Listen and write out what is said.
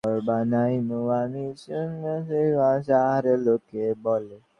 কেননা সরকারকে মোকাবিলা করার মতো তাদের কর্মী-ক্যাডার নেই, কিন্তু জামায়াতের আছে।